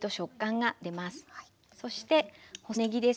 そして細ねぎですね。